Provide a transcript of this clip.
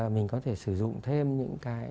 mình có thể sử dụng thêm những cái